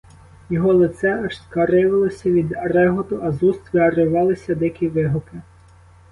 Його лице аж скривилося від реготу, а з уст виривалися дикі вигуки.